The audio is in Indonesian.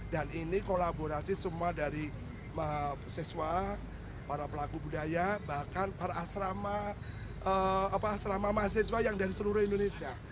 dan ini kolaborasi semua dari mahasiswa para pelaku budaya bahkan para asrama mahasiswa yang dari seluruh indonesia